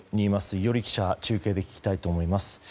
伊従記者に中継で聞きたいと思います。